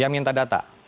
yang minta data